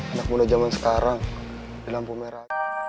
anak muda zaman sekarang di lampu merah